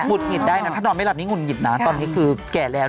ุดหงิดได้นะถ้านอนไม่หลับนี่หุ่นหิดนะตอนนี้คือแก่แล้ว